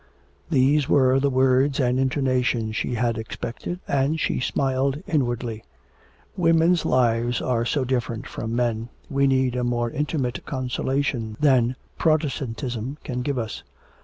These were the words and intonation she had expected, and she smiled inwardly. 'Women's lives are so different from men, we need a more intimate consolation than Protestantism can give us.